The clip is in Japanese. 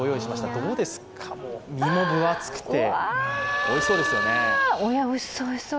どうですか、身も分厚くておいしそうですよね。